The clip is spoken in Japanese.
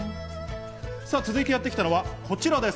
続いてやってきたのはこちらです。